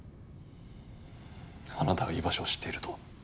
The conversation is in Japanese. あなたが居場所を知っていると。